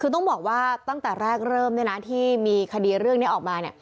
คือต้องบอกว่าตั้งแต่แรกเริ่มที่มีคดีเรื่องนี้ออกมา